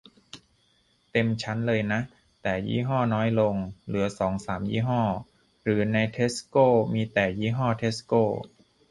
เต็มชั้นเลยนะ แต่ยี่ห้อน้อยลง เหลือสองสามยี่ห้อ หรือในเทสโกมีแต่ยี่ห้อเทสโก